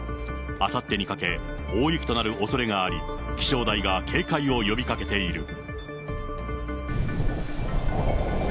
あさってにかけ、大雪となるおそれがあり、気象台が警戒を呼びかけている。